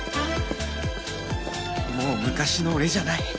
もう昔の俺じゃない